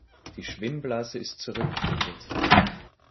Die Schwimmblase ist zurückgebildet.